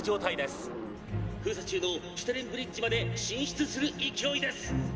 封鎖中のシュテルンブリッジまで進出する勢いです！」